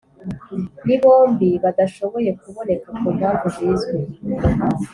Ni bombi badashoboye kuboneka ku mpamvu zizwi